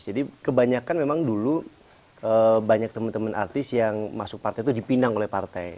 jadi kebanyakan memang dulu banyak teman teman artis yang masuk partai itu dipinang oleh partai